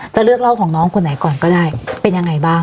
จะเลือกเล่าของน้องคนไหนก่อนก็ได้เป็นยังไงบ้าง